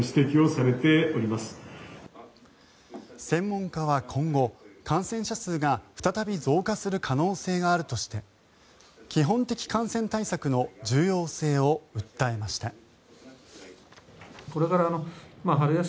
専門家は今後、感染者数が再び増加する可能性があるとして基本的感染対策の重要性を訴えました。